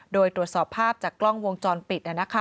โดยตรวจสอบภาพจากกล้องวงจรปิด